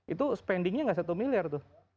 itu spendingnya nggak satu miliar tuh